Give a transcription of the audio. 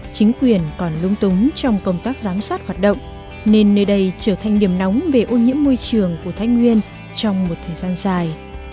chính quyền còn lúng túng trong công tác giám sát hoạt động nên nơi đây trở thành điểm nóng về ô nhiễm môi trường của thái nguyên trong một thời gian dài